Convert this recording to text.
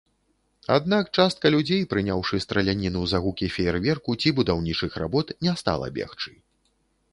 Аднак частка людзей, прыняўшы страляніну за гукі феерверку ці будаўнічых работ, не стала бегчы.